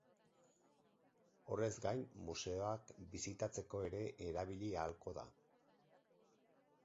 Horrez gain, museoak bisitatzeko ere erabili ahalko da.